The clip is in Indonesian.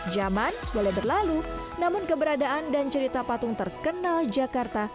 zaman boleh berlalu namun keberadaan dan cerita patung terkenal jakarta